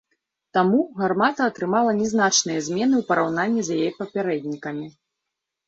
Таму гармата атрымала нязначныя змены ў параўнанні з яе папярэднікамі.